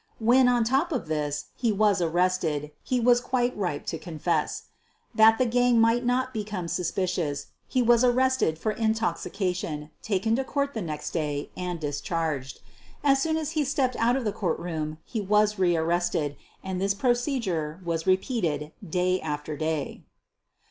When, on top of this, he was arrested, he was quite ripe to confess. That the gang might not become suspicious, he was ar rested for intoxication, taken to court the next day, and discharged. As soon as he stepped out of the QUEEN OF THE BURGLAKS 169 courtroom he was rearrested, and this procedure was repeated day after day.